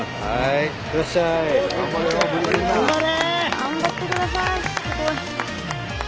頑張ってください。